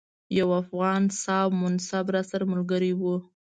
یو افغان صاحب منصب راسره ملګری وو.